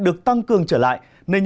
được tăng cường trở lại